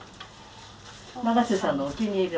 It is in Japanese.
長瀬さんのお気に入りの。